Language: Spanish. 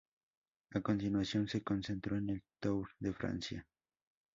A continuación, se concentró en el Tour de Francia.